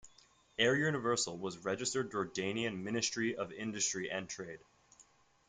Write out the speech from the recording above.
Air Universal was registered Jordanian Ministry of Industry and Trade.